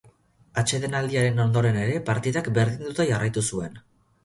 Atsedenaldiaren ondoren ere partidak berdinduta jarraitu zuen.